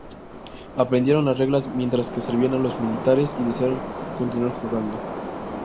Aprendieron las reglas mientras que servían en los militares y desearon continuar jugando.